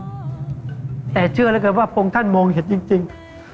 แต่เชื่อเหลือเกินว่าพระองค์ท่านมองเห็นจริง